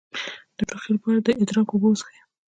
د ټوخي لپاره د ادرک اوبه وڅښئ